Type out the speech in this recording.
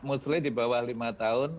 mostly di bawah lima tahun